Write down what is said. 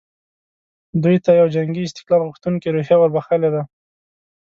دوی ته یوه جنګي استقلال غوښتونکې روحیه وربخښلې ده.